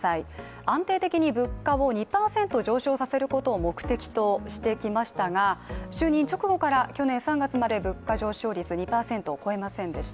安定的に物価を２％上昇させることを目的としてきましたが、就任直後から去年３月まで物価上昇率２％を超えませんでした。